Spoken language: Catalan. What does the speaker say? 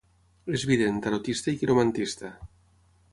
És vident, tarotista i quiromantista.